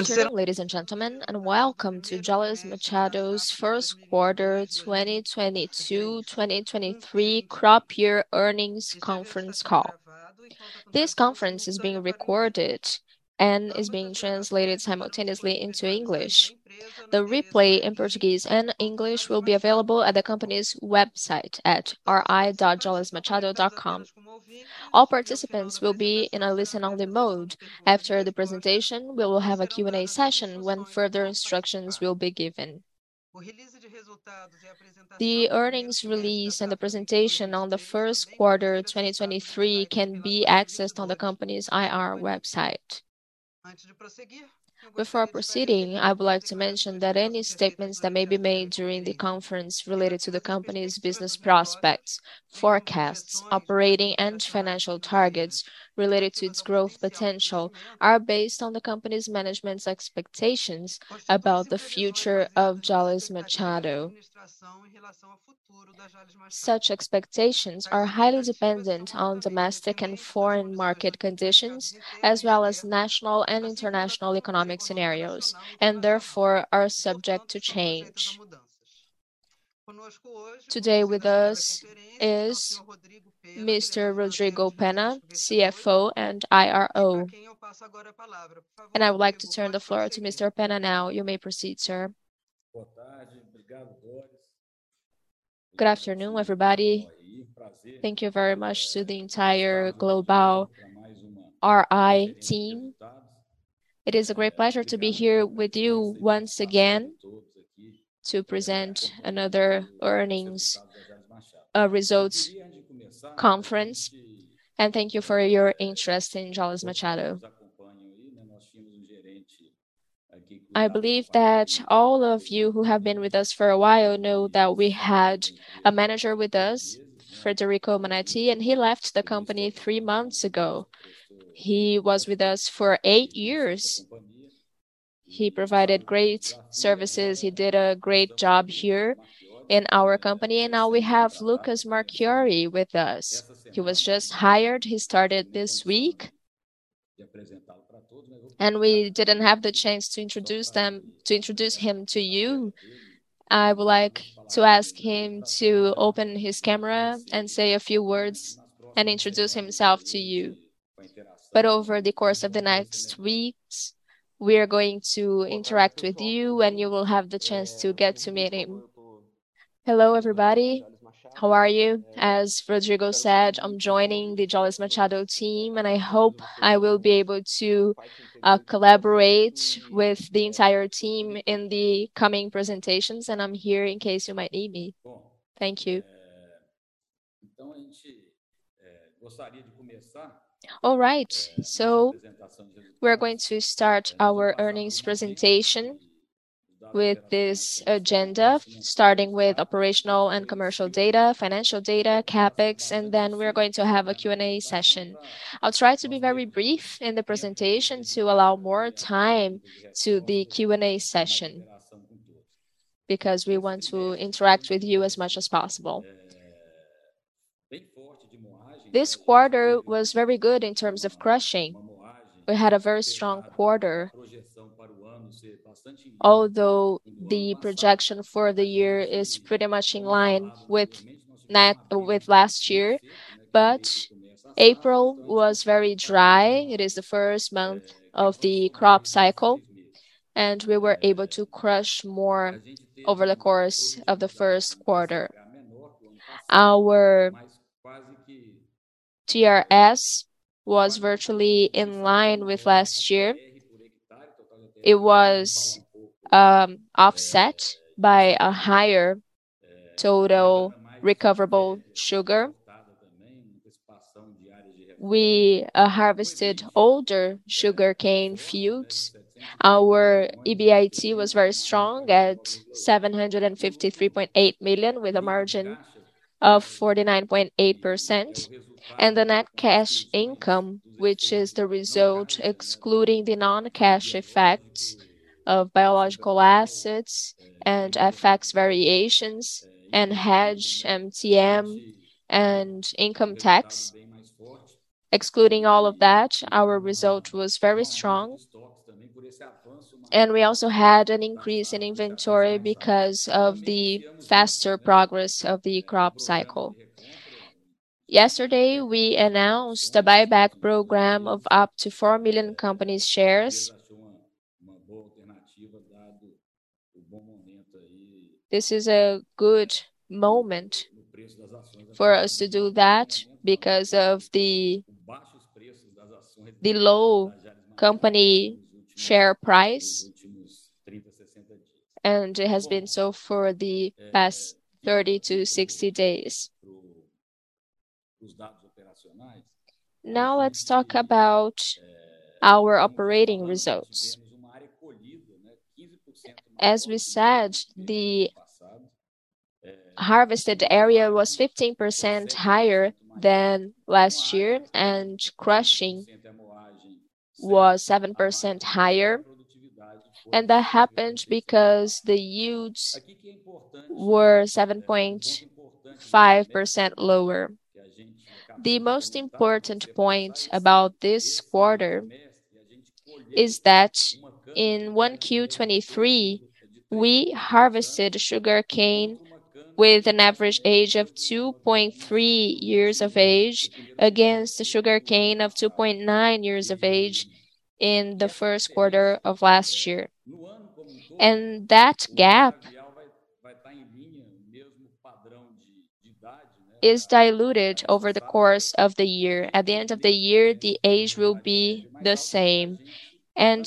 Good afternoon, ladies and gentlemen, and welcome to Jalles Machado's first quarter 2022/2023 crop year earnings conference call. This conference is being recorded and is being translated simultaneously into English. The replay in Portuguese and English will be available at the company's website at ri.jallesmachado.com. All participants will be in a listen only mode. After the presentation, we will have a Q&A session when further instructions will be given. The earnings release and the presentation on the first quarter 2023 can be accessed on the company's IR website. Before proceeding, I would like to mention that any statements that may be made during the conference related to the company's business prospects, forecasts, operating and financial targets related to its growth potential are based on the company's management's expectations about the future of Jalles Machado. Such expectations are highly dependent on domestic and foreign market conditions, as well as national and international economic scenarios, and therefore are subject to change. Today with us is Mr. Rodrigo Penna, CFO and IRO. I would like to turn the floor to Mr. Penna now. You may proceed, sir. Good afternoon, everybody. Thank you very much to the entire Global IR team. It is a great pleasure to be here with you once again to present another earnings results conference, and thank you for your interest in Jalles Machado. I believe that all of you who have been with us for a while know that we had a manager with us, Frederico Manetti, and he left the company three months ago. He was with us for eight years. He provided great services. He did a great job here in our company, and now we have Lucas Marchiori with us. He was just hired. He started this week. We didn't have the chance to introduce them, to introduce him to you. I would like to ask him to open his camera and say a few words and introduce himself to you. Over the course of the next weeks, we are going to interact with you, and you will have the chance to get to meet him. Hello, everybody. How are you? As Rodrigo said, I'm joining the Jalles Machado team, and I hope I will be able to collaborate with the entire team in the coming presentations, and I'm here in case you might need me. Thank you. All right. We're going to start our earnings presentation with this agenda, starting with operational and commercial data, financial data, CapEx, and then we are going to have a Q&A session. I'll try to be very brief in the presentation to allow more time to the Q&A session because we want to interact with you as much as possible. This quarter was very good in terms of crushing. We had a very strong quarter, although the projection for the year is pretty much in line with last year. April was very dry. It is the first month of the crop cycle, and we were able to crush more over the course of the first quarter. Our TRS was virtually in line with last year. It was offset by a higher total recoverable sugar. We harvested older sugarcane fields. Our EBIT was very strong at 753.8 million, with a margin of 49.8%. The net cash income, which is the result excluding the non-cash effects of biological assets and FX variations and hedge MTM and income tax. Excluding all of that, our result was very strong. We also had an increase in inventory because of the faster progress of the crop cycle. Yesterday, we announced a buyback program of up to 4 million company's shares. This is a good moment for us to do that because of the low company share price. It has been so for the past 30-60 days. Now let's talk about our operating results. As we said, the harvested area was 15% higher than last year, and crushing was 7% higher. That happened because the yields were 7.5% lower. The most important point about this quarter is that in 1Q23, we harvested sugarcane with an average age of 2.3 years of age against the sugarcane of 2.9 years of age in the first quarter of last year. That gap is diluted over the course of the year. At the end of the year, the age will be the same.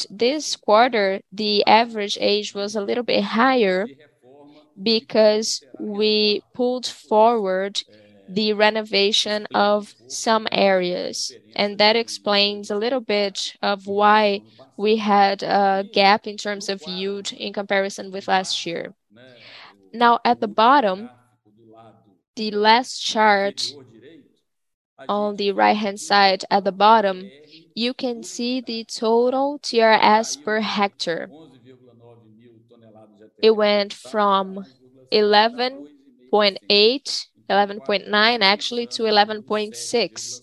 This quarter, the average age was a little bit higher because we pulled forward the renovation of some areas. That explains a little bit of why we had a gap in terms of yield in comparison with last year. Now at the bottom, the last chart on the right-hand side at the bottom, you can see the total TRS per hectare. It went from 11.8, 11.9 actually to 11.6.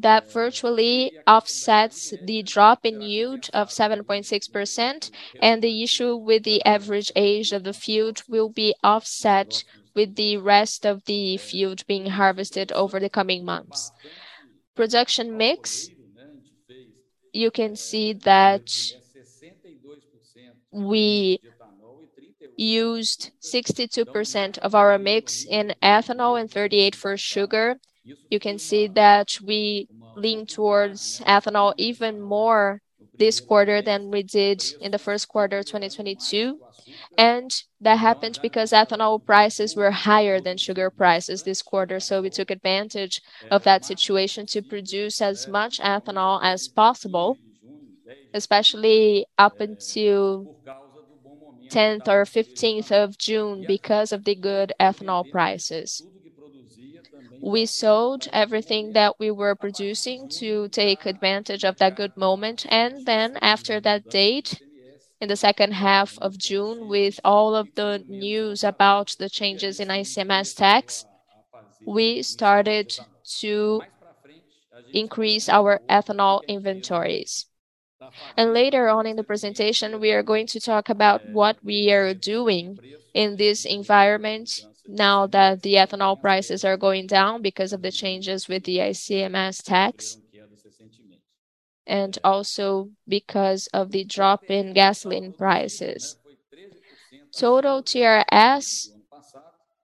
That virtually offsets the drop in yield of 7.6% and the issue with the average age of the field will be offset with the rest of the field being harvested over the coming months. Production mix, you can see that we used 62% of our mix in ethanol and 38% for sugar. You can see that we lean towards ethanol even more this quarter than we did in the first quarter of 2022. That happened because ethanol prices were higher than sugar prices this quarter. We took advantage of that situation to produce as much ethanol as possible, especially up until 10th or 15th of June because of the good ethanol prices. We sold everything that we were producing to take advantage of that good moment. After that date, in the second half of June, with all of the news about the changes in ICMS tax, we started to increase our ethanol inventories. Later on in the presentation, we are going to talk about what we are doing in this environment now that the ethanol prices are going down because of the changes with the ICMS tax and also because of the drop in gasoline prices. Total TRS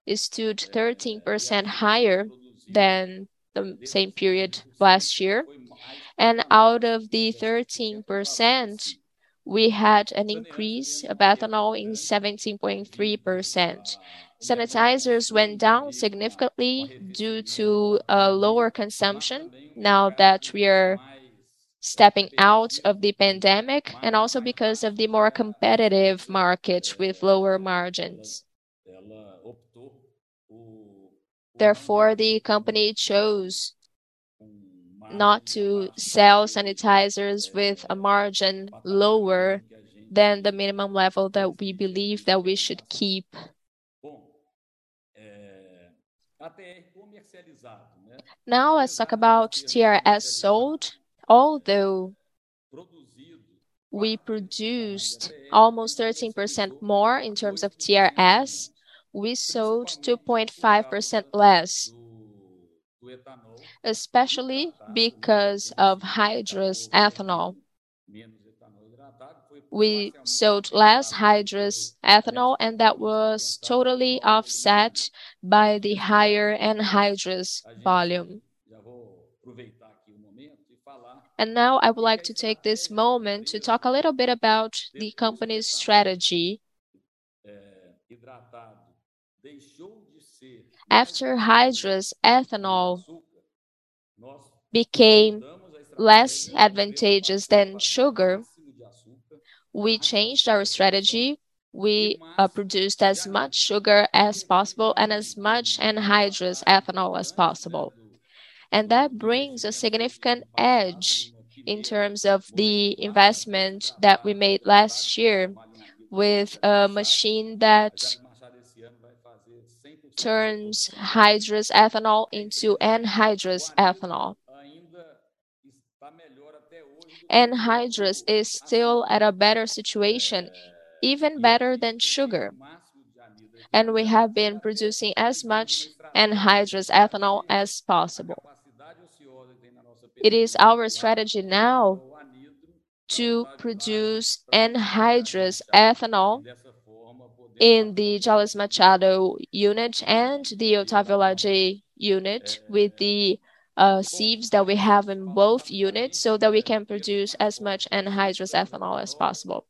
is stood 13% higher than the same period last year. Out of the 13%, we had an increase of ethanol in 17.3%. Sanitizers went down significantly due to lower consumption now that we are stepping out of the pandemic, and also because of the more competitive market with lower margins. Therefore, the company chose not to sell sanitizers with a margin lower than the minimum level that we believe that we should keep. Now, let's talk about TRS sold. Although we produced almost 13% more in terms of TRS, we sold 2.5% less, especially because of hydrous ethanol. We sold less hydrous ethanol, and that was totally offset by the higher anhydrous volume. Now, I would like to take this moment to talk a little bit about the company's strategy. After hydrous ethanol became less advantageous than sugar, we changed our strategy. We produced as much sugar as possible and as much anhydrous ethanol as possible. That brings a significant edge in terms of the investment that we made last year with a machine that turns hydrous ethanol into anhydrous ethanol. Anhydrous is still at a better situation, even better than sugar, and we have been producing as much anhydrous ethanol as possible. It is our strategy now to produce anhydrous ethanol in the Jalles Machado unit and the Otávio Lage unit with the sieves that we have in both units, so that we can produce as much anhydrous ethanol as possible.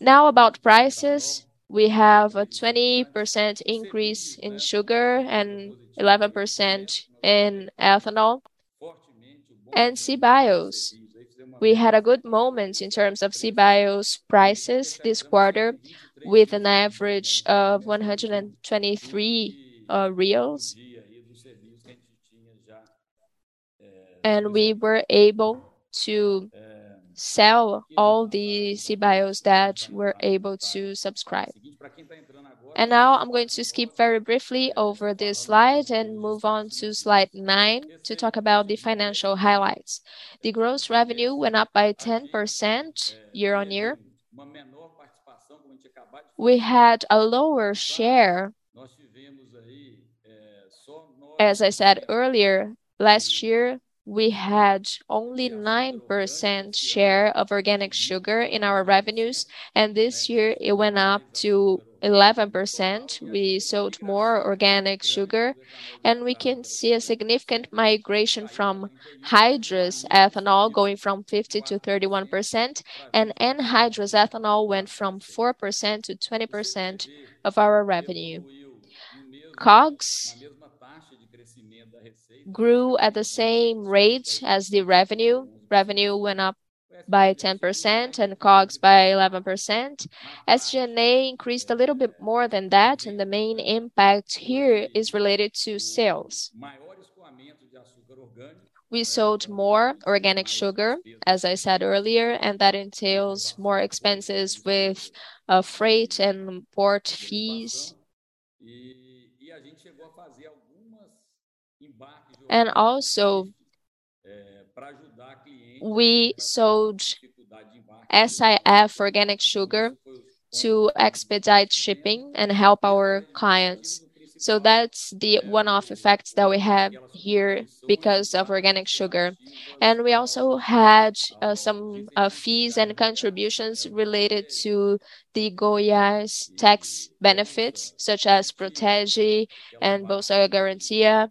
Now, about prices. We have a 20% increase in sugar and 11% in ethanol. CBIOs, we had a good moment in terms of CBIOs prices this quarter with an average of 123 reais. We were able to sell all the CBIOs that were able to subscribe. Now I'm going to skip very briefly over this slide and move on to slide nine to talk about the financial highlights. The gross revenue went up by 10% year-on-year. We had a lower share. As I said earlier, last year, we had only 9% share of organic sugar in our revenues, and this year, it went up to 11%. We sold more organic sugar, and we can see a significant migration from hydrous ethanol going from 50% to 31%, and anhydrous ethanol went from 4% to 20% of our revenue. COGS grew at the same rate as the revenue. Revenue went up by 10% and COGS by 11%. SG&A increased a little bit more than that, and the main impact here is related to sales. We sold more organic sugar, as I said earlier, and that entails more expenses with freight and port fees. We also sold SIF organic sugar to expedite shipping and help our clients. That's the one-off effect that we have here because of organic sugar. We also had some fees and contributions related to the Goiás tax benefits, such as Protege and Bolsa Garantia.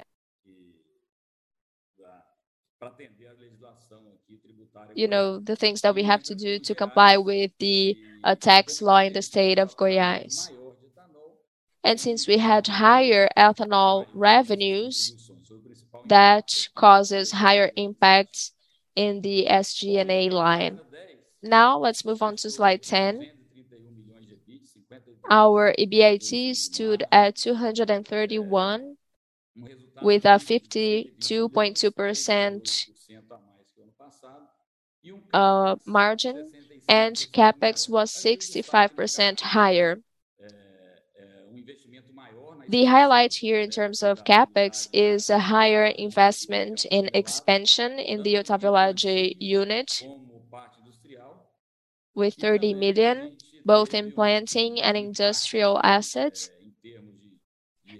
You know, the things that we have to do to comply with the tax law in the State of Goiás. Since we had higher ethanol revenues, that causes higher impacts in the SG&A line. Now, let's move on to slide 10. Our EBIT stood at 231 with a 52.2% margin and CapEx was 65% higher. The highlight here in terms of CapEx is a higher investment in expansion in the Otávio Lage unit with 30 million, both in planting and industrial assets.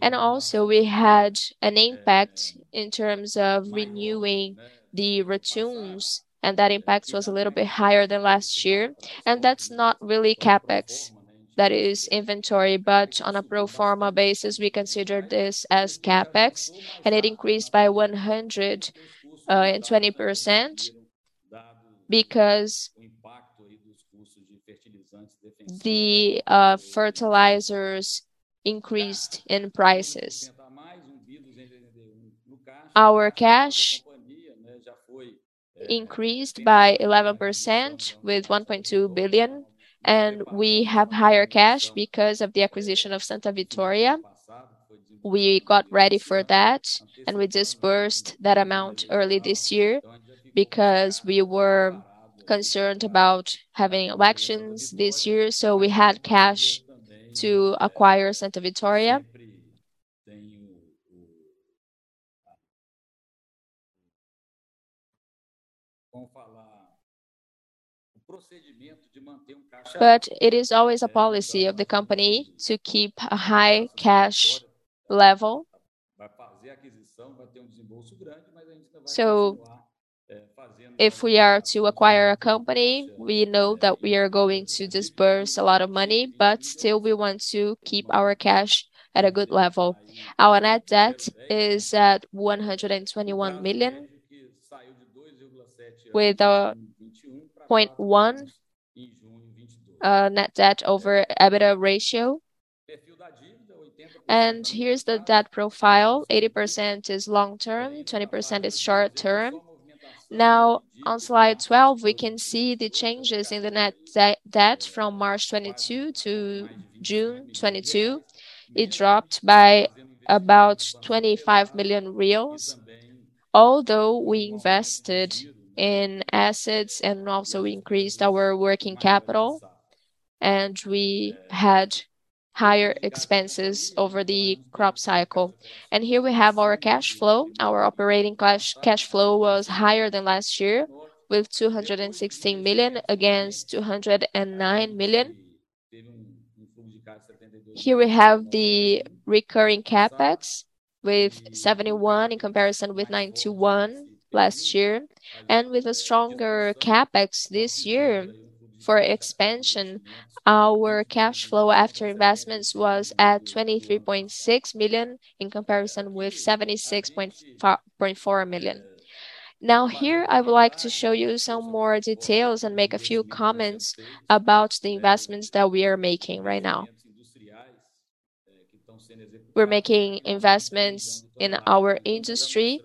Also we had an impact in terms of renewing the ratoons, and that impact was a little bit higher than last year. That's not really CapEx, that is inventory. On a pro forma basis, we consider this as CapEx, and it increased by 120% because the fertilizers increased in prices. Our cash increased by 11% with 1.2 billion, and we have higher cash because of the acquisition of Santa Vitória. We got ready for that, and we disbursed that amount early this year because we were concerned about having elections this year, so we had cash to acquire Santa Vitória. It is always a policy of the company to keep a high cash level. If we are to acquire a company, we know that we are going to disburse a lot of money, but still we want to keep our cash at a good level. Our net debt is at 121 million with a 0.1 net debt over EBITDA ratio. Here's the debt profile. 80% is long-term, 20% is short-term. Now, on slide 12, we can see the changes in the net debt from March 2022 to June 2022. It dropped by about 25 million reais. Although we invested in assets and also increased our working capital, and we had higher expenses over the crop cycle. Here we have our cash flow. Our operating cash flow was higher than last year with 216 million against 209 million. Here we have the recurring CapEx with 71 million in comparison with 91 million last year. With a stronger CapEx this year for expansion, our cash flow after investments was at 23.6 million in comparison with 76.4 million. Now, here I would like to show you some more details and make a few comments about the investments that we are making right now. We're making investments in our industry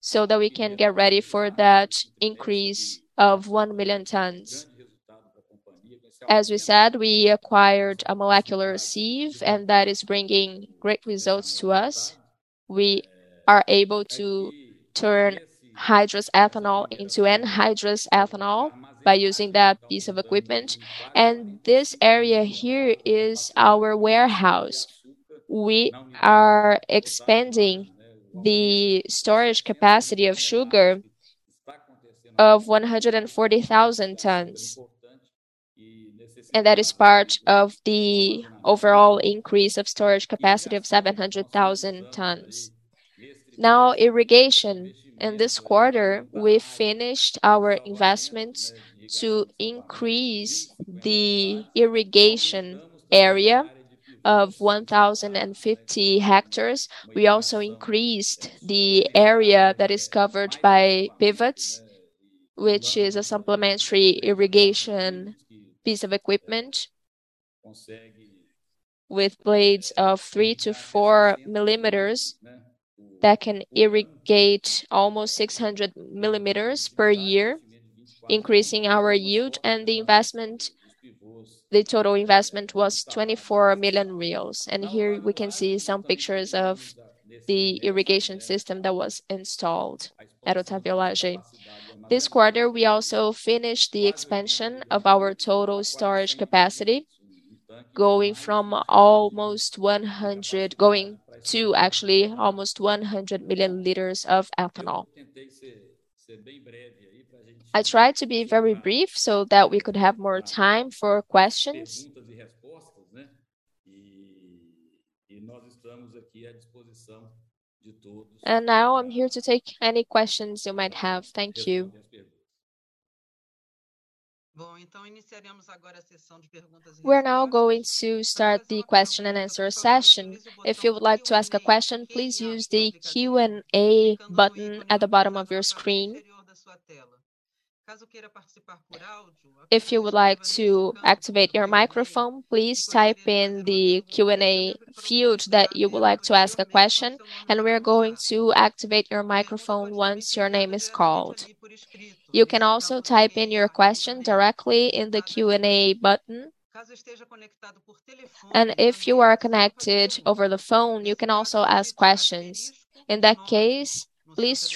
so that we can get ready for that increase of 1,000,000 tons. As we said, we acquired a molecular sieve and that is bringing great results to us. We are able to turn hydrous ethanol into anhydrous ethanol by using that piece of equipment. This area here is our warehouse. We are expanding the storage capacity of sugar of 140,000 tons, and that is part of the overall increase of storage capacity of 700,000 tons. Now, irrigation. In this quarter, we finished our investments to increase the irrigation area of 1,050 hectares. We also increased the area that is covered by pivots, which is a supplementary irrigation piece of equipment with blades of three-four millimeters that can irrigate almost 600 millimeters per year, increasing our yield and the investment. The total investment was 24 million reais. Here we can see some pictures of the irrigation system that was installed at Otávio Lage. This quarter, we also finished the expansion of our total storage capacity, going to actually almost 100 million liters of ethanol. I tried to be very brief so that we could have more time for questions. Now I'm here to take any questions you might have. Thank you. We're now going to start the question and answer session. If you would like to ask a question, please use the Q&A button at the bottom of your screen. If you would like to activate your microphone, please type in the Q&A field that you would like to ask a question, and we are going to activate your microphone once your name is called. You can also type in your question directly in the Q&A button. If you are connected over the phone, you can also ask questions. In that case, please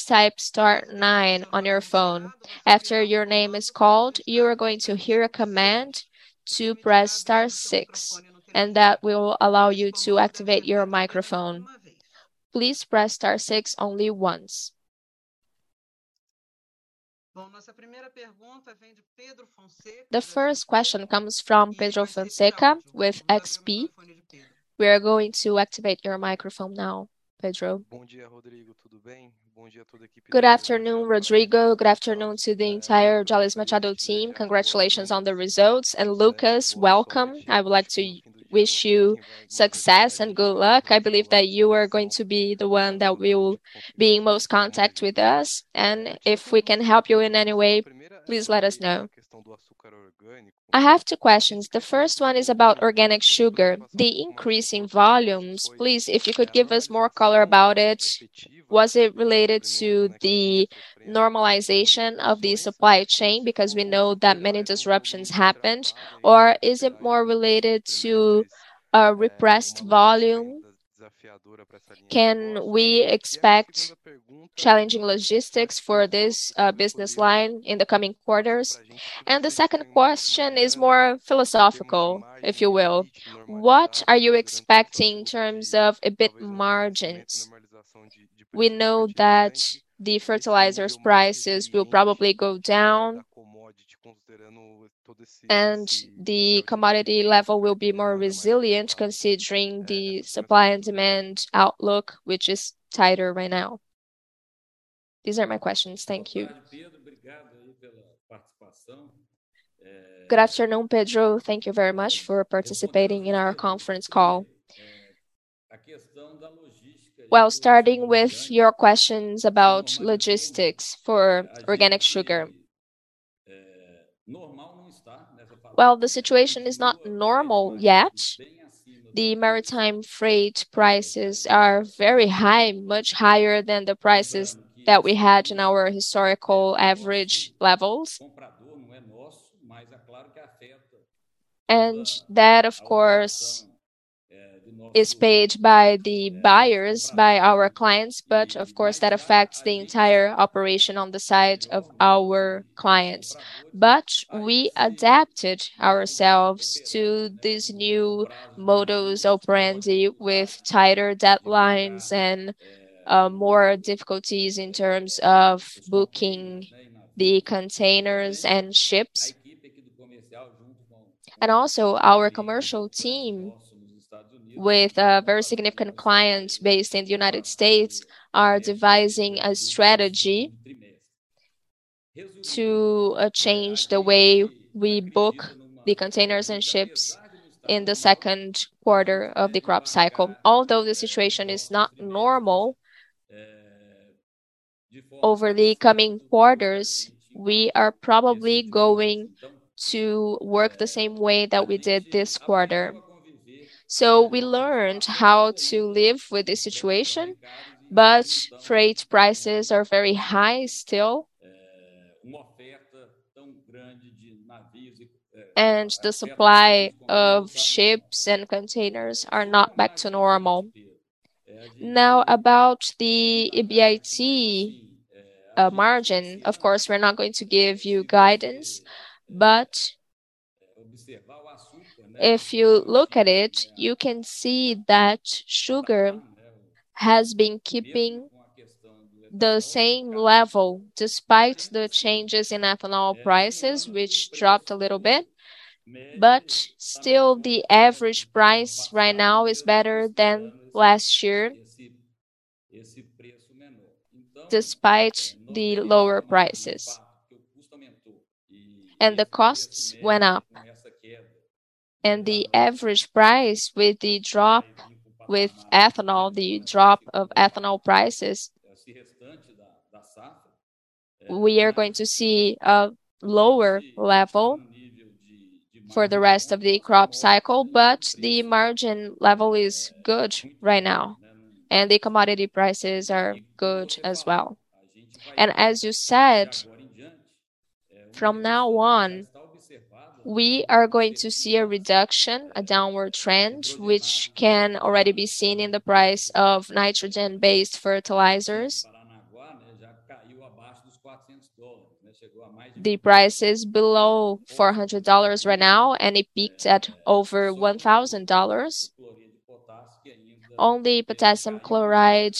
type star nine on your phone. After your name is called, you are going to hear a command to press star six, and that will allow you to activate your microphone. Please press star six only once. The first question comes from Pedro Fonseca with XP. We are going to activate your microphone now, Pedro. Good afternoon, Rodrigo. Good afternoon to the entire Jalles Machado team. Congratulations on the results. Lucas, welcome. I would like to wish you success and good luck. I believe that you are going to be the one that will be in most contact with us. If we can help you in any way, please let us know. I have two questions. The first one is about organic sugar, the increase in volumes. Please, if you could give us more color about it. Was it related to the normalization of the supply chain? Because we know that many disruptions happened. Or is it more related to a repressed volume? Can we expect challenging logistics for this business line in the coming quarters? The second question is more philosophical, if you will. What are you expecting in terms of EBIT margins? We know that the fertilizers prices will probably go down and the commodity level will be more resilient considering the supply and demand outlook, which is tighter right now. These are my questions. Thank you. Good afternoon, Pedro. Thank you very much for participating in our conference call. Well, starting with your questions about logistics for organic sugar. Well, the situation is not normal yet. The maritime freight prices are very high, much higher than the prices that we had in our historical average levels. That, of course, is paid by the buyers, by our clients, but of course that affects the entire operation on the side of our clients. We adapted ourselves to these new modus operandi with tighter deadlines and, more difficulties in terms of booking the containers and ships. Also our commercial team with a very significant client based in the United States are devising a strategy to change the way we book the containers and ships in the second quarter of the crop cycle. Although the situation is not normal, over the coming quarters, we are probably going to work the same way that we did this quarter. We learned how to live with the situation, but freight prices are very high still. The supply of ships and containers are not back to normal. Now, about the EBIT margin, of course, we're not going to give you guidance, but if you look at it, you can see that sugar has been keeping the same level despite the changes in ethanol prices, which dropped a little bit. Still the average price right now is better than last year despite the lower prices. The costs went up. The average price with the drop with ethanol, the drop of ethanol prices, we are going to see a lower level for the rest of the crop cycle. The margin level is good right now, and the commodity prices are good as well. As you said, from now on, we are going to see a reduction, a downward trend, which can already be seen in the price of nitrogen-based fertilizers. The price is below $400 right now, and it peaked at over $1,000. Only potassium chloride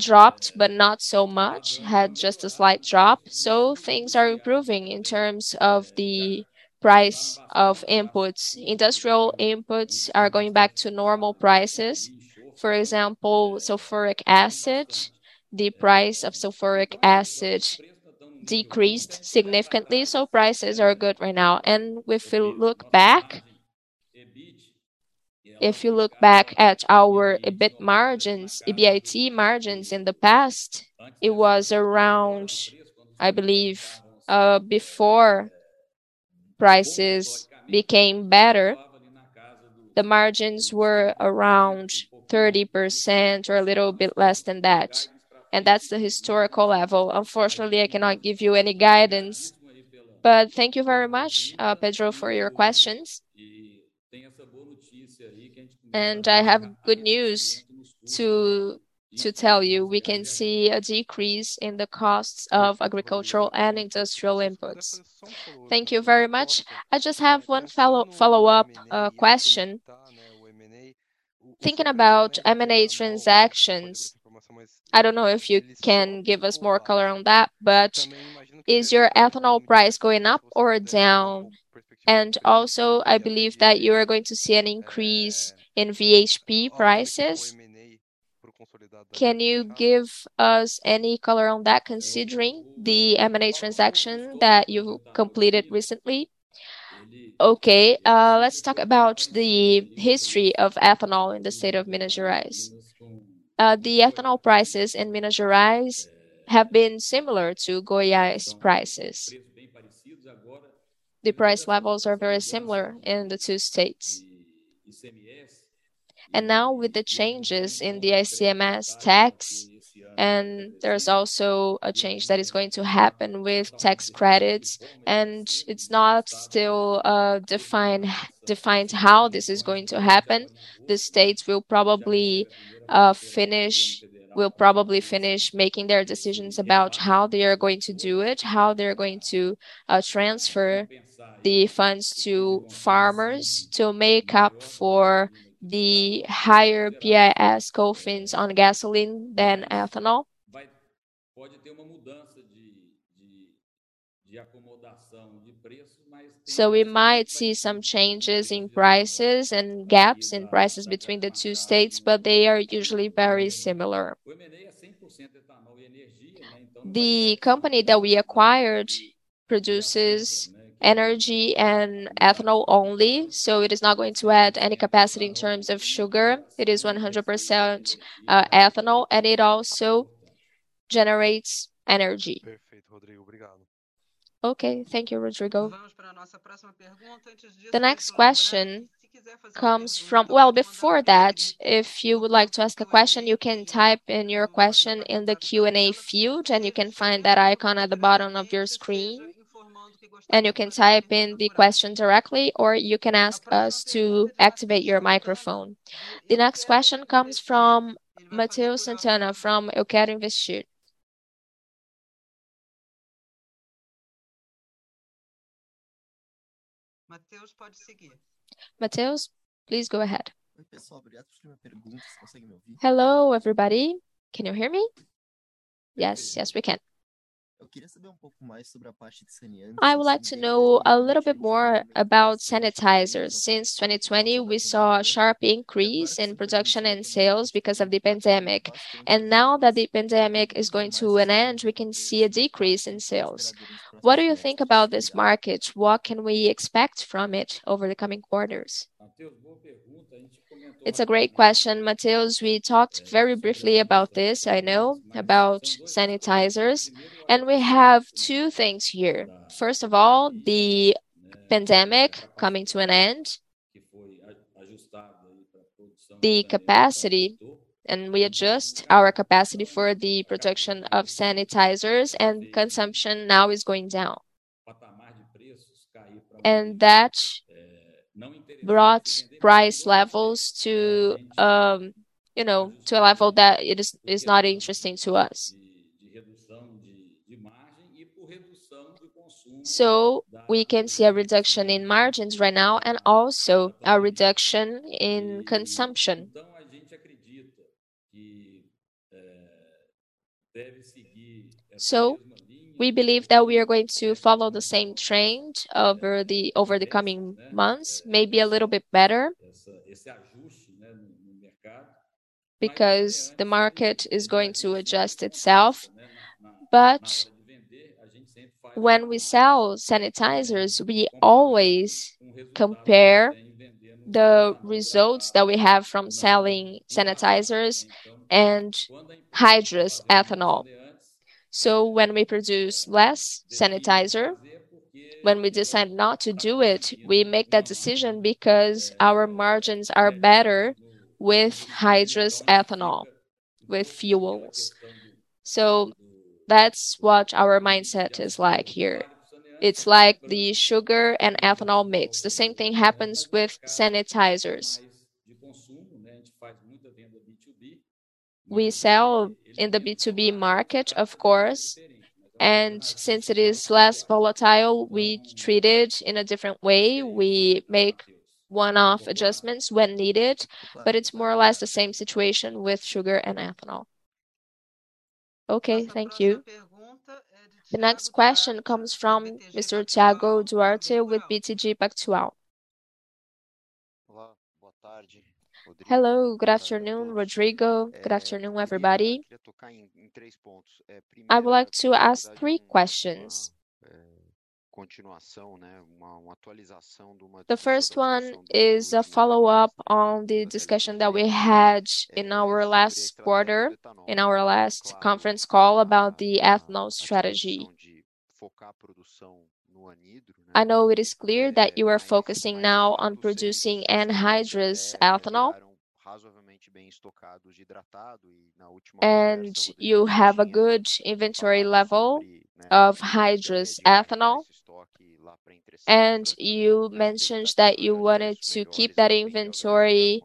dropped, but not so much. Had just a slight drop. Things are improving in terms of the price of inputs. Industrial inputs are going back to normal prices. For example, sulfuric acid. The price of sulfuric acid decreased significantly, so prices are good right now. If you look back at our EBIT margins in the past, it was around, I believe, before prices became better, the margins were around 30% or a little bit less than that, and that's the historical level. Unfortunately, I cannot give you any guidance. Thank you very much, Pedro, for your questions. I have good news to tell you. We can see a decrease in the costs of agricultural and industrial inputs. Thank you very much. I just have one follow-up question. Thinking about M&A transactions, I don't know if you can give us more color on that, but is your ethanol price going up or down? Also, I believe that you are going to see an increase in VHP prices. Can you give us any color on that considering the M&A transaction that you completed recently? Okay. Let's talk about the history of ethanol in the state of Minas Gerais. The ethanol prices in Minas Gerais have been similar to Goiás prices. The price levels are very similar in the two states. Now with the changes in the ICMS tax, and there's also a change that is going to happen with tax credits, and it's not still defined how this is going to happen. The states will probably finish making their decisions about how they are going to do it, how they're going to transfer the funds to farmers to make up for the higher PIS/COFINS on gasoline than ethanol. We might see some changes in prices and gaps in prices between the two states, but they are usually very similar. The company that we acquired produces energy and ethanol only, so it is not going to add any capacity in terms of sugar. It is 100% ethanol, and it also generates energy. Okay. Thank you, Rodrigo. The next question comes from. Well, before that, if you would like to ask a question, you can type in your question in the Q&A field, and you can find that icon at the bottom of your screen. You can type in the question directly, or you can ask us to activate your microphone. The next question comes from Matheus Santana from Occere Investimentos. Matheus, please go ahead. Hello, everybody. Can you hear me? Yes. Yes, we can. I would like to know a little bit more about sanitizers. Since 2020, we saw a sharp increase in production and sales because of the pandemic. Now that the pandemic is going to an end, we can see a decrease in sales. What do you think about this market? What can we expect from it over the coming quarters? It's a great question, Matheus. We talked very briefly about this, I know, about sanitizers, and we have two things here. First of all, the pandemic coming to an end. The capacity. We adjust our capacity for the production of sanitizers and consumption now is going down. That brought price levels to, you know, to a level that it is not interesting to us. We can see a reduction in margins right now and also a reduction in consumption. We believe that we are going to follow the same trend over the coming months, maybe a little bit better because the market is going to adjust itself. When we sell sanitizers, we always compare the results that we have from selling sanitizers and hydrous ethanol. When we produce less sanitizer, when we decide not to do it, we make that decision because our margins are better with hydrous ethanol, with fuels. That's what our mindset is like here. It's like the sugar and ethanol mix. The same thing happens with sanitizers. We sell in the B2B market, of course, and since it is less volatile, we treat it in a different way. We make one-off adjustments when needed, but it's more or less the same situation with sugar and ethanol. Okay, thank you. The next question comes from Mr. Thiago Duarte with BTG Pactual. Hello. Good afternoon, Rodrigo. Good afternoon, everybody. I would like to ask three questions. The first one is a follow-up on the discussion that we had in our last quarter, in our last conference call about the ethanol strategy. I know it is clear that you are focusing now on producing anhydrous ethanol. You have a good inventory level of hydrous ethanol. You mentioned that you wanted to keep that inventory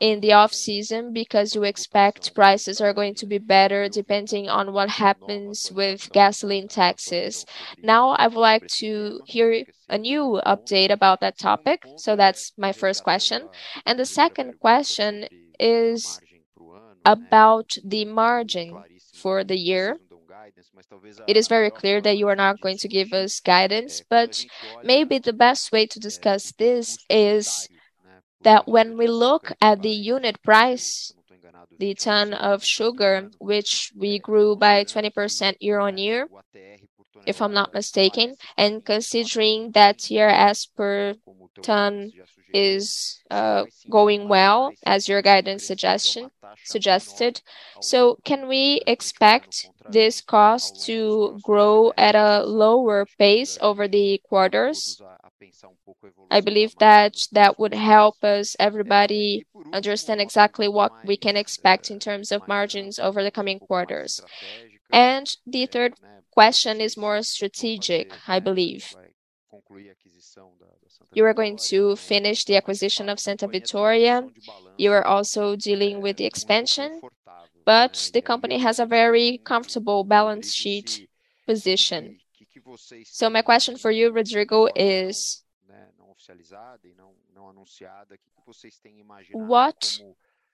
in the off-season because you expect prices are going to be better depending on what happens with gasoline taxes. Now, I would like to hear a new update about that topic. That's my first question. The second question is about the margin for the year. It is very clear that you are not going to give us guidance, but maybe the best way to discuss this is that when we look at the unit price, the ton of sugar, which we grew by 20% year-on-year, if I'm not mistaken, and considering that your ASP per ton is going well, as your guidance suggested. Can we expect this cost to grow at a lower pace over the quarters? I believe that would help us, everybody understand exactly what we can expect in terms of margins over the coming quarters. The third question is more strategic, I believe. You are going to finish the acquisition of Santa Vitória. You are also dealing with the expansion, but the company has a very comfortable balance sheet position. My question for you, Rodrigo, is what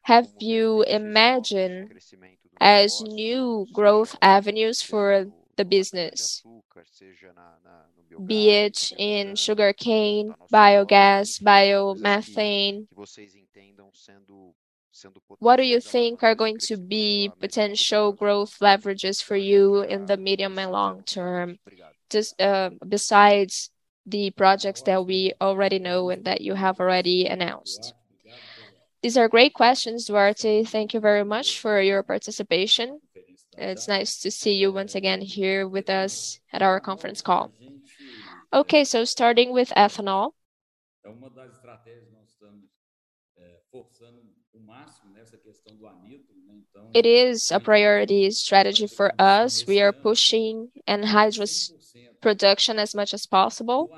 have you imagined as new growth avenues for the business? Be it in sugarcane, biogas, biomethane. What do you think are going to be potential growth leverages for you in the medium and long term, just, besides the projects that we already know and that you have already announced? These are great questions, Duarte. Thank you very much for your participation. It's nice to see you once again here with us at our conference call. Okay, starting with ethanol. It is a priority strategy for us. We are pushing anhydrous production as much as possible.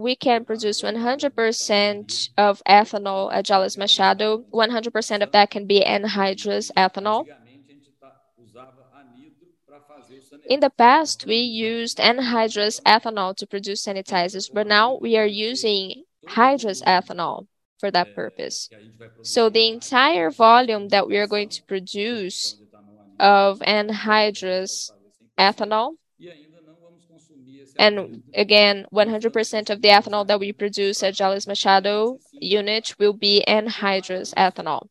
We can produce 100% of ethanol at Jalles Machado. 100% of that can be anhydrous ethanol. In the past, we used anhydrous ethanol to produce sanitizers, but now we are using hydrous ethanol for that purpose. The entire volume that we are going to produce of anhydrous ethanol, and again, 100% of the ethanol that we produce at Jalles Machado unit will be anhydrous ethanol.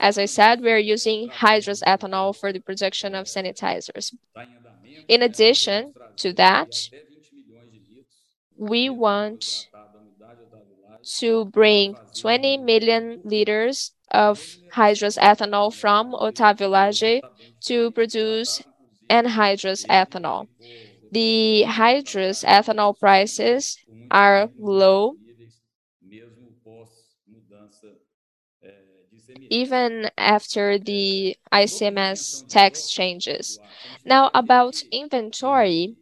As I said, we are using hydrous ethanol for the production of sanitizers. In addition to that, we want to bring 20 million liters of hydrous ethanol from Otávio Lage to produce anhydrous ethanol. The hydrous ethanol prices are low even after the ICMS tax changes. Now, about inventory,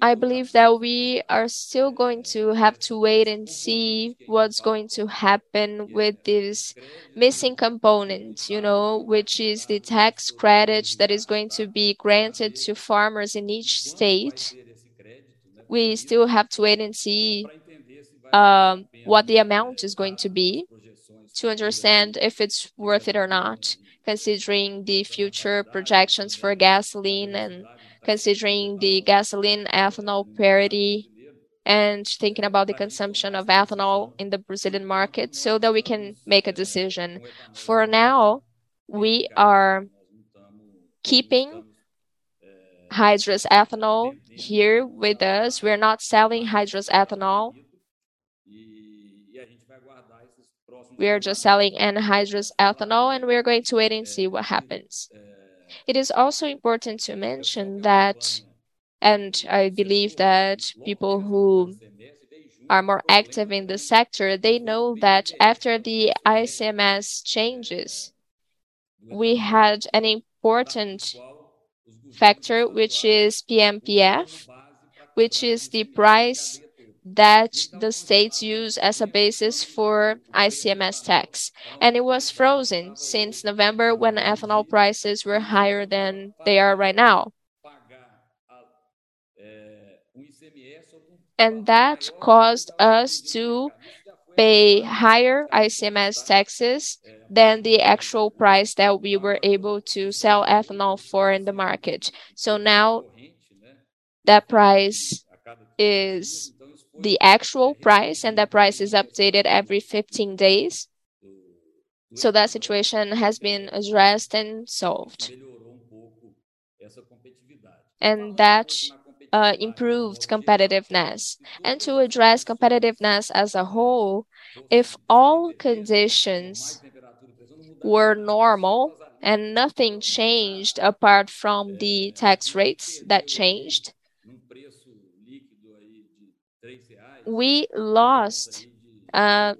I believe that we are still going to have to wait and see what's going to happen with this missing component, you know, which is the tax credit that is going to be granted to farmers in each state. We still have to wait and see what the amount is going to be to understand if it's worth it or not, considering the future projections for gasoline and considering the gasoline ethanol parity and thinking about the consumption of ethanol in the Brazilian market so that we can make a decision. For now, we are keeping hydrous ethanol here with us. We're not selling hydrous ethanol. We are just selling anhydrous ethanol, and we are going to wait and see what happens. It is also important to mention that, and I believe that people who are more active in the sector, they know that after the ICMS changes, we had an important factor, which is PMPF, which is the price that the states use as a basis for ICMS tax. It was frozen since November when ethanol prices were higher than they are right now. That caused us to pay higher ICMS taxes than the actual price that we were able to sell ethanol for in the market. Now that price is the actual price, and that price is updated every 15 days. That situation has been addressed and solved. That improved competitiveness. To address competitiveness as a whole, if all conditions were normal and nothing changed apart from the tax rates that changed, we lost net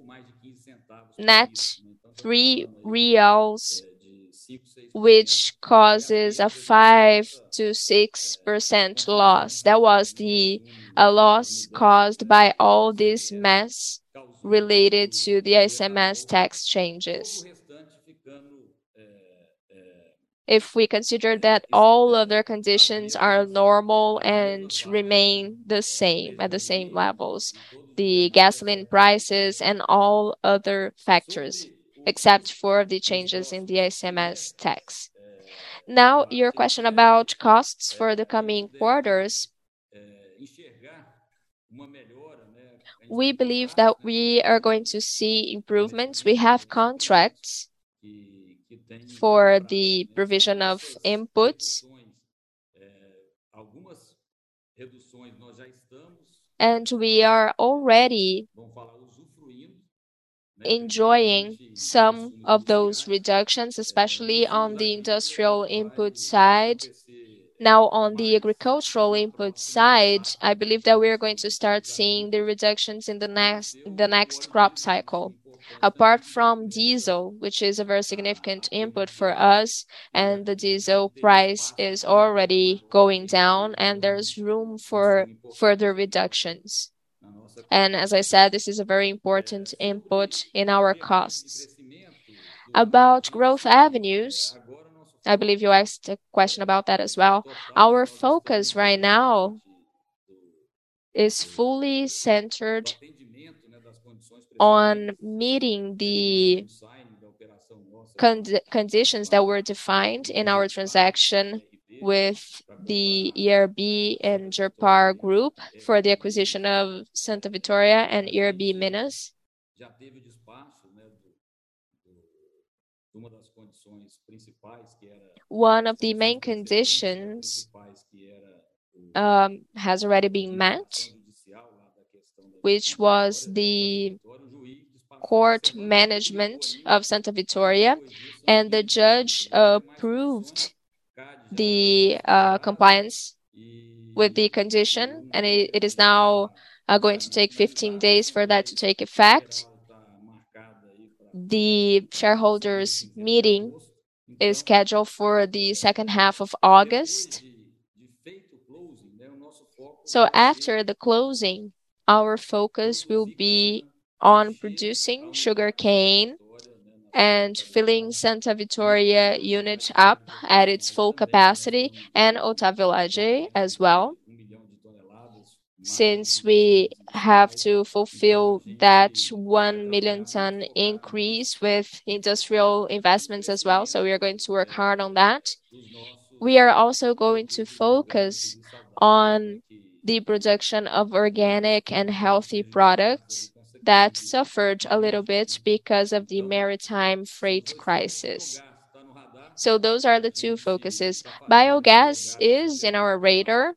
3 reais, which causes a 5%-6% loss. That was the loss caused by all this mess related to the ICMS tax changes. If we consider that all other conditions are normal and remain the same, at the same levels, the gasoline prices and all other factors, except for the changes in the ICMS tax. Now, your question about costs for the coming quarters. We believe that we are going to see improvements. We have contracts for the provision of inputs. We are already enjoying some of those reductions, especially on the industrial input side. Now, on the agricultural input side, I believe that we are going to start seeing the reductions in the next crop cycle. Apart from diesel, which is a very significant input for us, and the diesel price is already going down, and there's room for further reductions. As I said, this is a very important input in our costs. About growth avenues, I believe you asked a question about that as well. Our focus right now is fully centered on meeting the conditions that were defined in our transaction with the ERB and Geribá group for the acquisition of Santa Vitória and ERB MG. One of the main conditions has already been met, which was the court management of Santa Vitória, and the judge approved the compliance with the condition, and it is now going to take 15 days for that to take effect. The shareholders meeting is scheduled for the second half of August. After the closing, our focus will be on producing sugarcane and filling Santa Vitória unit up at its full capacity and Otávio Lage as well. Since we have to fulfill that 1 million ton increase with industrial investments as well. We are going to work hard on that. We are also going to focus on the production of organic and healthy products that suffered a little bit because of the maritime freight crisis. Those are the two focuses. Biogas is on our radar.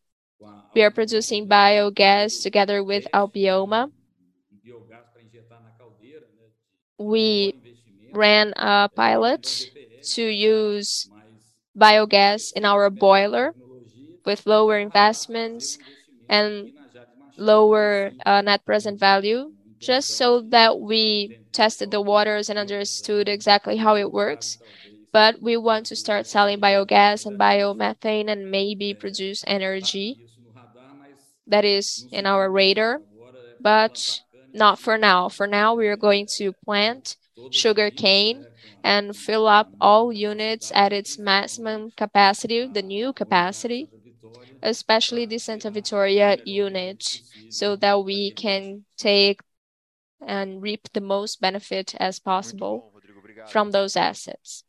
We are producing biogas together with Albioma. We ran a pilot to use biogas in our boiler with lower investments and lower net present value just so that we tested the waters and understood exactly how it works. We want to start selling biogas and biomethane and maybe produce energy. That is in our radar, but not for now. For now, we are going to plant sugarcane and fill up all units at its maximum capacity, the new capacity, especially the Santa Vitória unit, so that we can take and reap the most benefit as possible from those assets.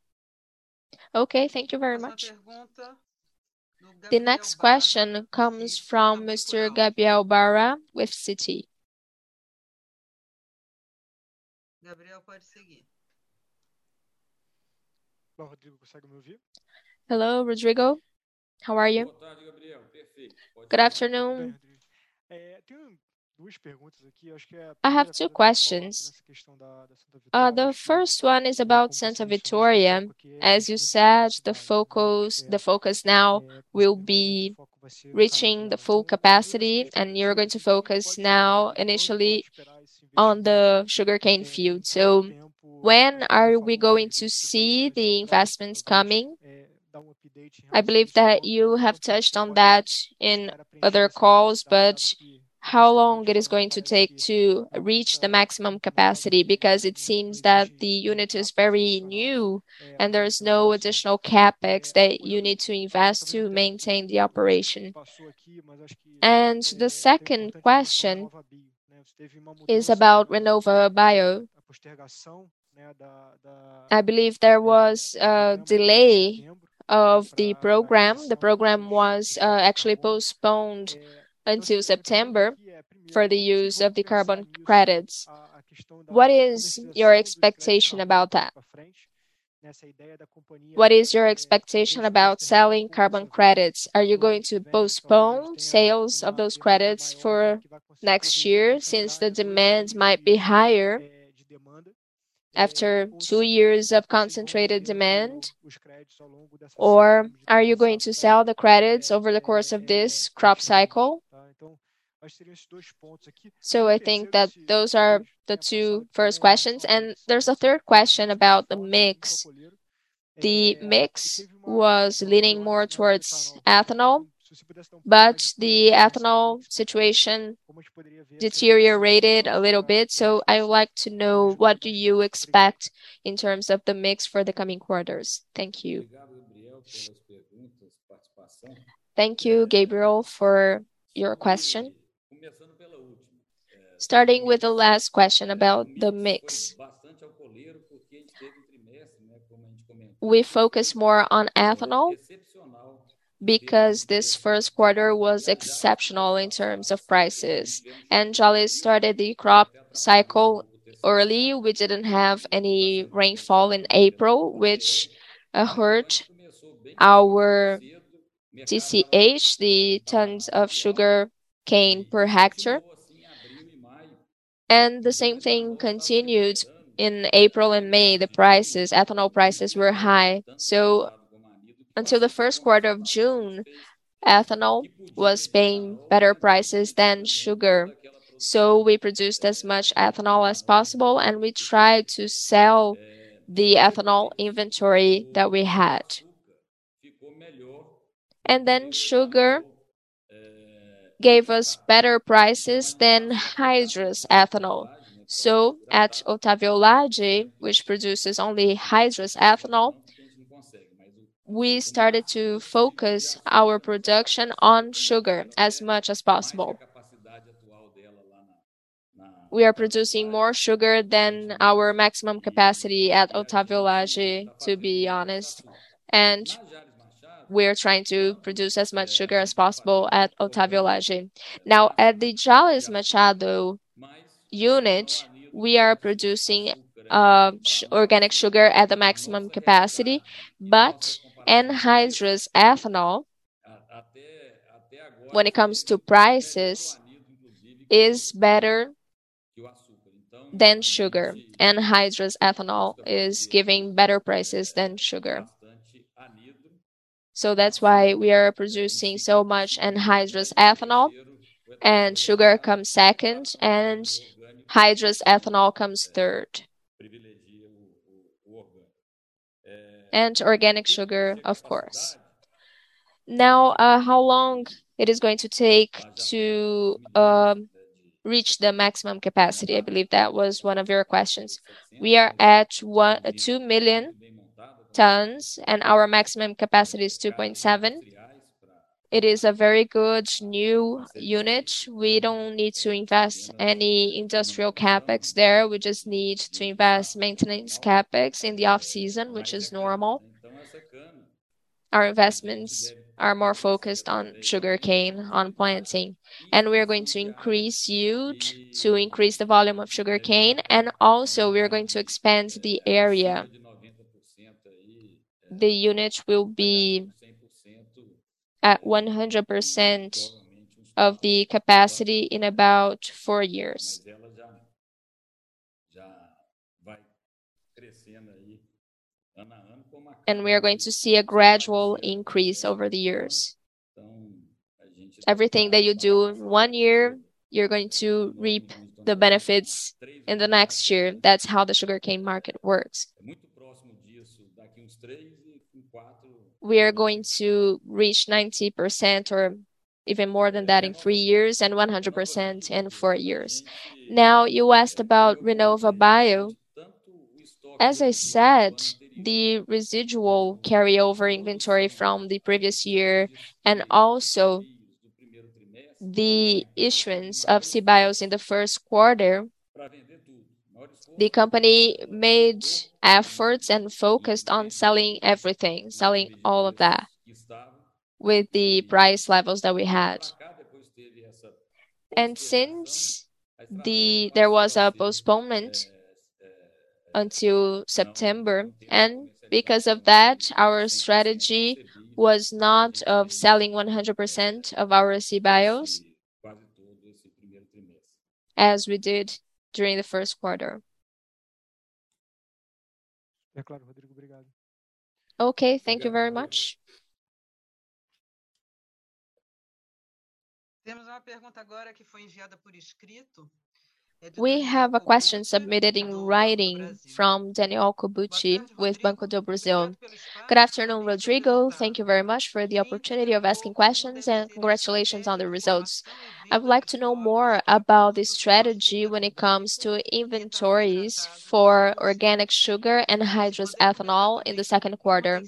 Okay, thank you very much. The next question comes from Mr. Gabriel Barra with Citi. Hello, Rodrigo. How are you? Good afternoon. Good afternoon. I have two questions. The first one is about Santa Vitória. As you said, the focus now will be reaching the full capacity, and you're going to focus now initially on the sugarcane field. When are we going to see the investments coming? I believe that you have touched on that in other calls, but how long it is going to take to reach the maximum capacity? Because it seems that the unit is very new and there is no additional CapEx that you need to invest to maintain the operation. The second question is about RenovaBio. I believe there was a delay of the program. The program was actually postponed until September for the use of the carbon credits. What is your expectation about that? What is your expectation about selling carbon credits? Are you going to postpone sales of those credits for next year since the demand might be higher after two years of concentrated demand? Or are you going to sell the credits over the course of this crop cycle? I think that those are the two first questions. There's a third question about the mix. The mix was leaning more towards ethanol, but the ethanol situation deteriorated a little bit, so I would like to know what do you expect in terms of the mix for the coming quarters. Thank you. Thank you, Gabriel Barra, for your question. Starting with the last question about the mix. We focus more on ethanol because this first quarter was exceptional in terms of prices. Jalles started the crop cycle early. We didn't have any rainfall in April, which hurt our TCH, the tons of sugarcane per hectare. The same thing continued in April and May. The prices, ethanol prices were high. Until the first quarter of June, ethanol was paying better prices than sugar. We produced as much ethanol as possible, and we tried to sell the ethanol inventory that we had. Then sugar gave us better prices than hydrous ethanol. At Otávio Lage, which produces only hydrous ethanol, we started to focus our production on sugar as much as possible. We are producing more sugar than our maximum capacity at Otávio Lage, to be honest, and we are trying to produce as much sugar as possible at Otávio Lage. Now, at the Jalles Machado unit, we are producing organic sugar at the maximum capacity, but anhydrous ethanol, when it comes to prices, is better than sugar. Anhydrous ethanol is giving better prices than sugar. That's why we are producing so much anhydrous ethanol, and sugar comes second, and hydrous ethanol comes third. Organic sugar, of course. Now, how long it is going to take to reach the maximum capacity? I believe that was one of your questions. We are at two million tons, and our maximum capacity is 2.7. It is a very good new unit. We don't need to invest any industrial CapEx there. We just need to invest maintenance CapEx in the off-season, which is normal. Our investments are more focused on sugarcane, on planting. We are going to increase yield to increase the volume of sugarcane, and also we are going to expand the area. The units will be at 100% of the capacity in about four years. We are going to see a gradual increase over the years. Everything that you do in one year, you're going to reap the benefits in the next year. That's how the sugarcane market works. We are going to reach 90% or even more than that in three years and 100% in four years. Now, you asked about RenovaBio. As I said, the residual carryover inventory from the previous year and also the issuance of CBIOs in the first quarter, the company made efforts and focused on selling everything, selling all of that with the price levels that we had. Since there was a postponement until September, and because of that, our strategy was not of selling 100% of our CBIOs as we did during the first quarter. Okay. Thank you very much. We have a question submitted in writing from Daniel Cobucci with Banco do Brasil. "Good afternoon, Rodrigo. Thank you very much for the opportunity of asking questions, and congratulations on the results. I would like to know more about the strategy when it comes to inventories for organic sugar and hydrous ethanol in the second quarter.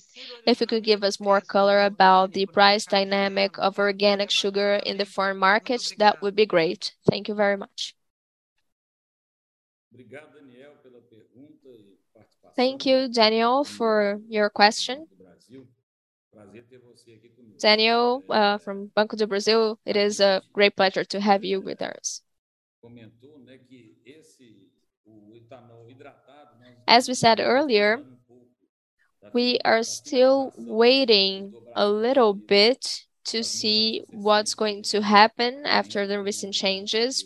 If you could give us more color about the price dynamic of organic sugar in the foreign markets, that would be great. Thank you very much. Thank you, Daniel, for your question. Daniel, from Banco do Brasil, it is a great pleasure to have you with us. As we said earlier, we are still waiting a little bit to see what's going to happen after the recent changes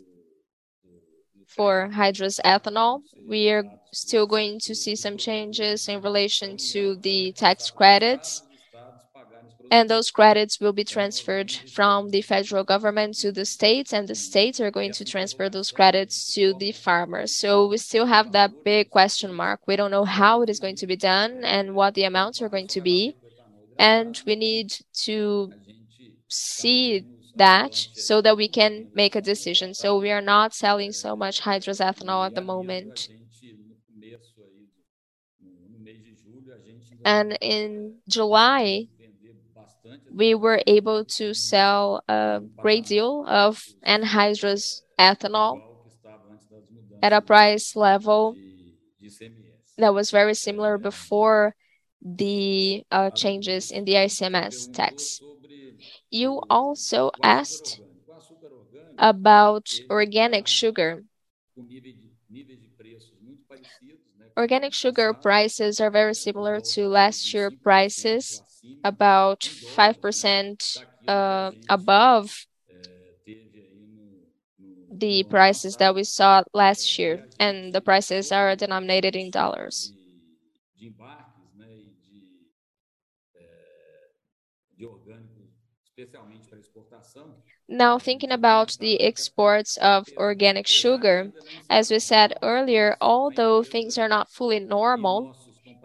for hydrous ethanol. We are still going to see some changes in relation to the tax credits, and those credits will be transferred from the federal government to the states, and the states are going to transfer those credits to the farmers. We still have that big question mark. We don't know how it is going to be done and what the amounts are going to be, and we need to see that so that we can make a decision. We are not selling so much hydrous ethanol at the moment. In July, we were able to sell a great deal of anhydrous ethanol at a price level that was very similar before the changes in the ICMS tax. You also asked about organic sugar. Organic sugar prices are very similar to last year prices, about 5% above the prices that we saw last year, and the prices are denominated in dollars. Now, thinking about the exports of organic sugar, as we said earlier, although things are not fully normal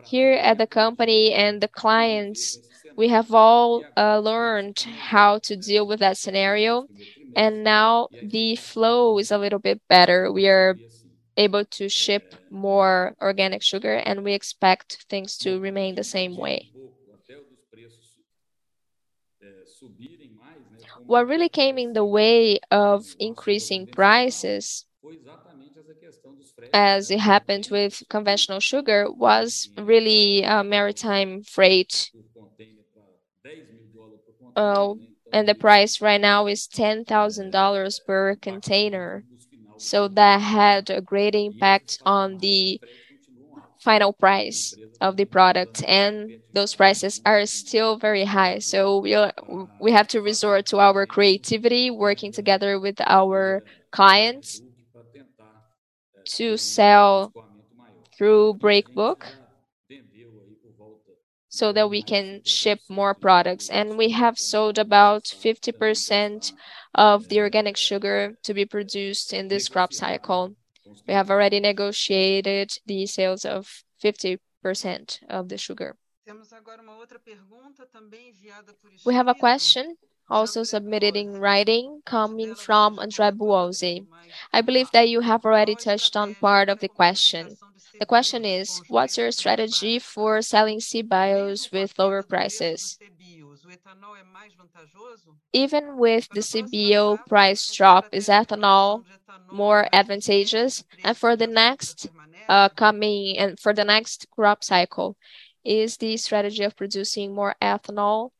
here at the company and the clients, we have all learned how to deal with that scenario, and now the flow is a little bit better. We are able to ship more organic sugar, and we expect things to remain the same way. What really came in the way of increasing prices, as it happened with conventional sugar, was really maritime freight. The price right now is $10,000 per container. That had a great impact on the final price of the product, and those prices are still very high. We have to resort to our creativity, working together with our clients to sell through breakbulk so that we can ship more products. We have sold about 50% of the organic sugar to be produced in this crop cycle. We have already negotiated the sales of 50% of the sugar. We have a question also submitted in writing coming from André Buosi. I believe that you have already touched on part of the question. The question is: "What's your strategy for selling CBIOs with lower prices? Even with the CBIO price drop, is ethanol more advantageous? And for the next crop cycle, is the strategy of producing more ethanol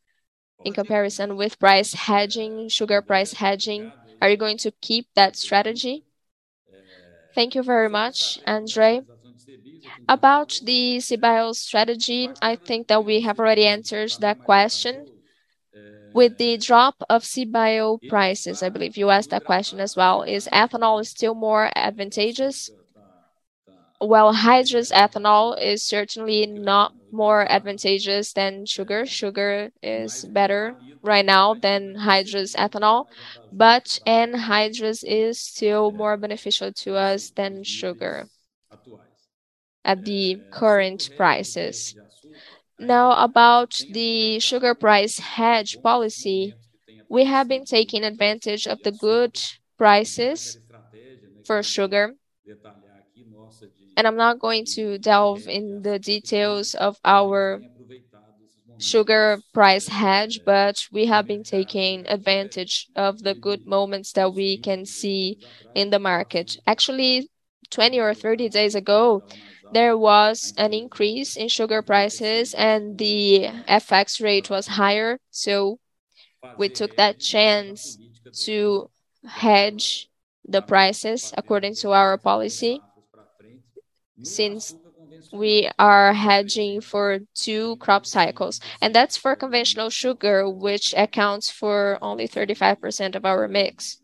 in comparison with price hedging, sugar price hedging, are you going to keep that strategy?" Thank you very much, André. About the CBIO strategy, I think that we have already answered that question. With the drop of CBIO prices, I believe you asked that question as well, is ethanol still more advantageous? Well, hydrous ethanol is certainly not more advantageous than sugar. Sugar is better right now than hydrous ethanol, but anhydrous is still more beneficial to us than sugar at the current prices. Now, about the sugar price hedge policy, we have been taking advantage of the good prices for sugar. I'm not going to delve in the details of our sugar price hedge, but we have been taking advantage of the good moments that we can see in the market. Actually, 20 or 30 days ago, there was an increase in sugar prices and the FX rate was higher, so we took that chance to hedge the prices according to our policy since we are hedging for two crop cycles. That's for conventional sugar, which accounts for only 35% of our mix.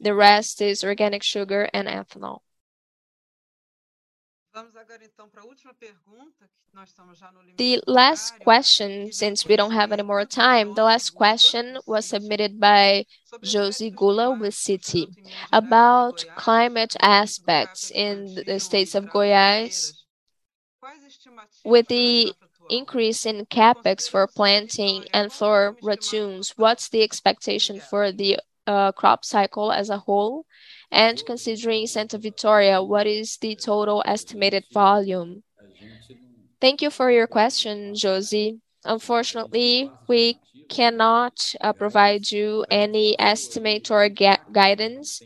The rest is organic sugar and ethanol. The last question, since we don't have any more time, the last question was submitted by José Gula with Citi about climate aspects in the states of Goiás. With the increase in CapEx for planting and for ratoons, what's the expectation for the crop cycle as a whole? And considering Santa Vitória, what is the total estimated volume? Thank you for your question, José. Unfortunately, we cannot provide you any estimate or guidance.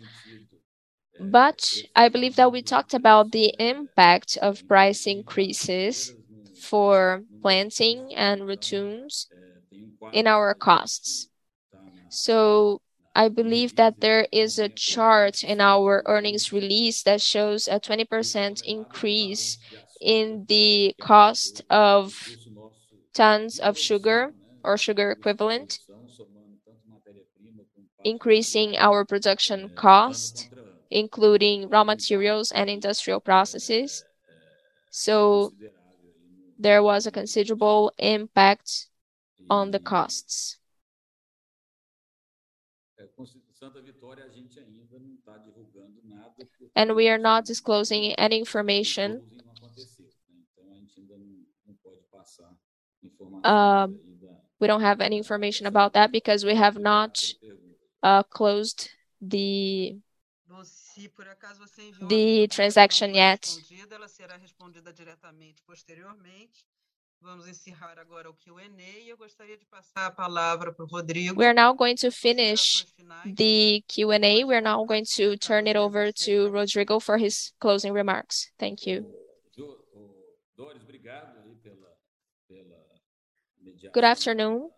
I believe that we talked about the impact of price increases for planting and ratoons in our costs. I believe that there is a chart in our earnings release that shows a 20% increase in the cost of tons of sugar or sugar equivalent, increasing our production cost, including raw materials and industrial processes, so there was a considerable impact on the costs. We are not disclosing any information. We don't have any information about that because we have not closed the transaction yet. We are now going to finish the Q&A. We are now going to turn it over to Rodrigo for his closing remarks. Thank you. Good afternoon.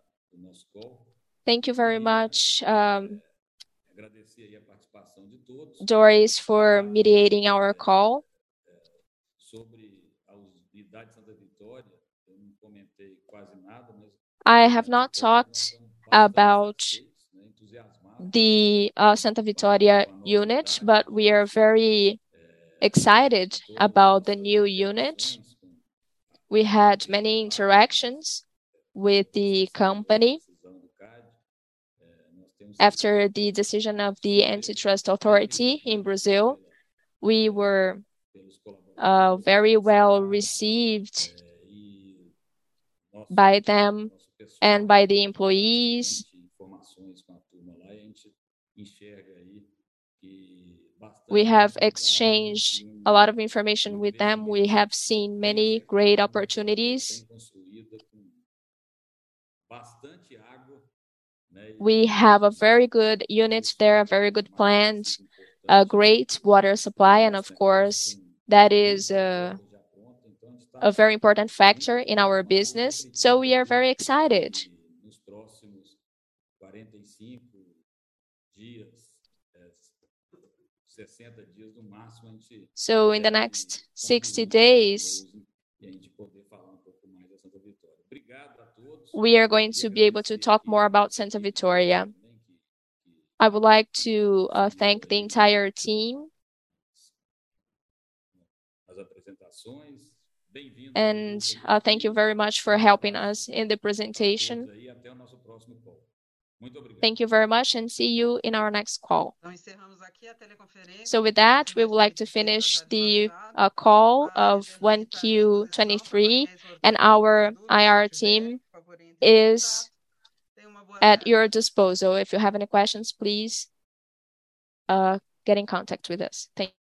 Thank you very much, Doris, for mediating our call. I have not talked about the Santa Vitória unit, but we are very excited about the new unit. We had many interactions with the company. After the decision of the Antitrust Authority in Brazil, we were very well received by them and by the employees. We have exchanged a lot of information with them. We have seen many great opportunities. We have a very good unit there, a very good plant, a great water supply, and of course that is a very important factor in our business. We are very excited. In the next 60 days, we are going to be able to talk more about Santa Vitória. I would like to thank the entire team. Thank you very much for helping us in the presentation. Thank you very much and see you in our next call. With that, we would like to finish the 3Q 2023 call and our IR team is at your disposal. If you have any questions, please get in contact with us. Thank you.